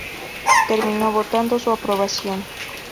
Terminó votando su aprobación.